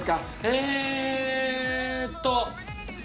えーっと。